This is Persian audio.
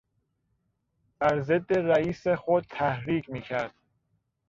بر ضد رئیس خود تحریک میکرد.